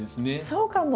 そうかも。